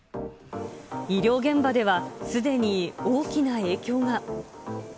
医療現場ではすでに大きな影響が。